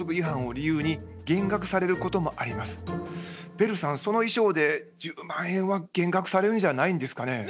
ベルさんその衣装で１０万円は減額されるんじゃないんですかね？